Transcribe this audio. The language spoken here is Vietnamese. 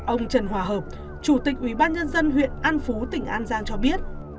ông trần hòa hợp chủ tịch ubnd huyện an phú tỉnh an giang cho biết